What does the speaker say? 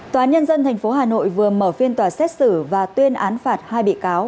tòa án nhân dân tp hà nội vừa mở phiên tòa xét xử và tuyên án phạt hai bị cáo